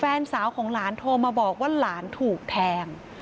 แฟนสาวของหลานโทรมาบอกว่าหลานถูกแทง